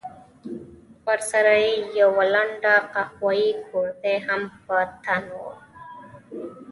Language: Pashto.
ورسره يې يوه لنډه قهويي کورتۍ هم په تن وه.